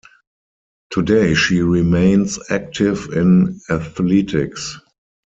Today she remains active in athletics.